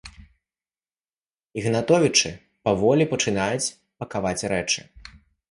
Ігнатовічы паволі пачынаюць пакаваць рэчы.